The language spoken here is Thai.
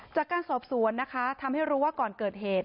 จากการสอบสวนนะคะทำให้รู้ว่าก่อนเกิดเหตุ